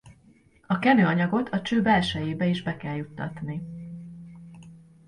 A kenőanyagot a cső belsejébe is be kell juttatni.